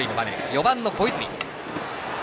４番の小泉。